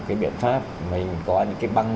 cái biện pháp mình có những cái băng